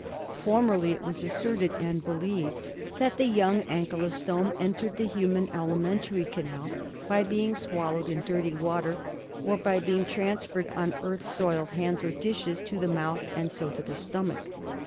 Formerly it was asserted, and believed, that the young ankylostome entered the human alimen tary canal by being swallowed in dirty water, or by being transferred on earth soiled hands or dishes to the mouth and so to the stomach.